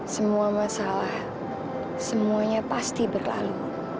semua masalah semuanya pasti berlalu